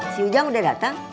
si ujang udah datang